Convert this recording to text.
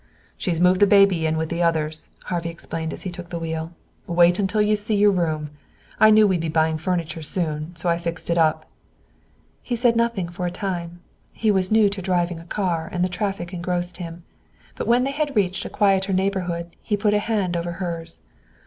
"She's moved the baby in with the others," Harvey explained as he took the wheel. "Wait until you see your room. I knew we'd be buying furniture soon, so I fixed it up." He said nothing for a time. He was new to driving a car, and the traffic engrossed him. But when they had reached a quieter neighborhood he put a hand over hers.